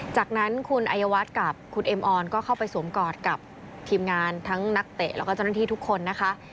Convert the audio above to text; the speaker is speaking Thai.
จากนั้นคุณอายวัฒน์กับคุณเอ็มออนก็เข้าไปสวมกอดกับทีมงานทั้งนักเตะแล้วก็เจ้าหน้าที่ทุกคนนะคะ